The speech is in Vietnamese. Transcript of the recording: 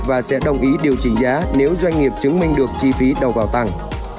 và sẽ đồng ý điều chỉnh giá nếu doanh nghiệp chứng minh được chi phí đầu vào tăng